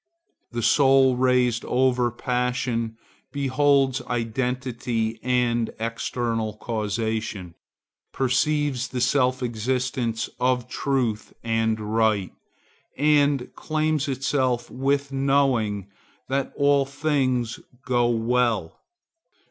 The soul raised over passion beholds identity and eternal causation, perceives the self existence of Truth and Right, and calms itself with knowing that all things go well.